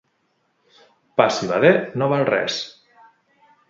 Pa civader no val res.